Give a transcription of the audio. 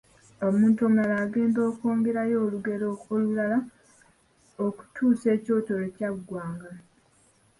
Omuntu omulala agenda okwongerayo olugero olulala okutuusa ekyoto lwe kyaggwanga.